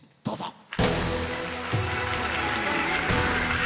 どうぞ。